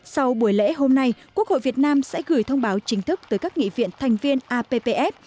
sau buổi lễ hôm nay quốc hội việt nam sẽ gửi thông báo chính thức tới các nghị viện thành viên appf